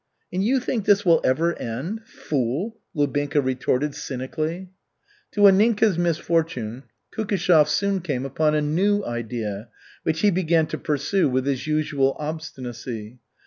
"And you think this will ever end? Fool!" Lubinka retorted cynically. To Anninka's misfortune, Kukishev soon came upon a new "idea," which he began to pursue with his usual obstinacy.